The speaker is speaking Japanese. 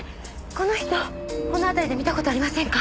この人この辺りで見た事ありませんか？